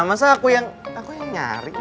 masa aku yang nyari